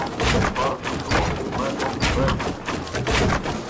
Es parakstu šo, un mēs esam beiguši?